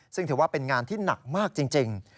ซึ่งถือว่าเป็นงานที่หนักมากจริง